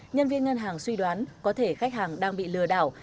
nhân viên ngân hàng suy đoán có thể khách hàng đang bị lừa đảo